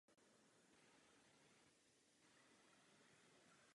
U informačních tabulí je značka doplněna oranžovým číslem stanoviště.